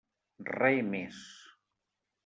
Re més.